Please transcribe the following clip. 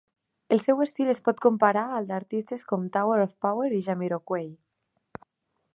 El seu estil es pot comparar al d'artistes com Tower of Power i Jamiroquai.